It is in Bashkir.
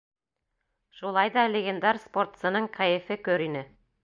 Шулай ҙа легендар спортсының кәйефе көр ине.